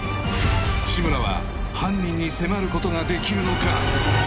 志村は犯人に迫ることができるのか？